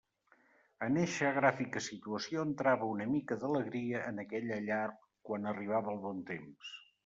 En eixa gràfica situació entrava una mica d'alegria en aquella llar quan arribava el bon temps.